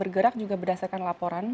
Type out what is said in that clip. gerak juga berdasarkan laporan